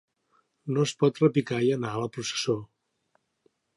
No es pot repicar i anar a la processó.